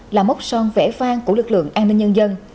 là mốc son vẽ vang của lực lượng an ninh nhân dân